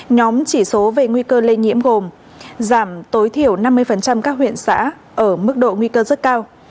nhóm chỉ số về nguy cơ lây nhiễm gồm giảm tối thiểu năm mươi các huyện xã ở mức độ nguy cơ rất cao